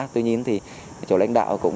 tuy nhiên chủ lãnh đạo